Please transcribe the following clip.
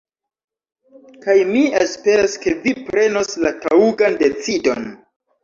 Kaj mi esperas ke vi prenos la taŭgan decidon